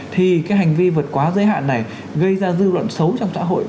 thì cái hành vi vượt quá giới hạn này gây ra dư luận xấu trong xã hội